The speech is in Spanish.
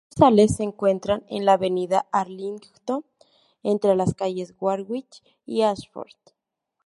Otras sucursales se encuentran en la avenida Arlington entre las calles Warwick y Ashford.